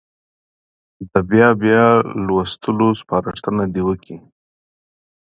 د بیا بیا لوستلو سپارښتنه دې وکړي.